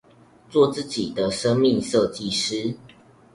做自己的生命設計師